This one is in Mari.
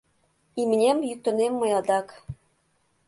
— Имнем йӱктынем мый адак.